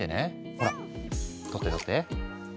ほら撮って撮って。